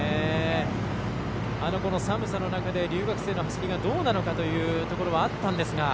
この寒さの中で留学生の走りがどうなるかというところがあったんですが。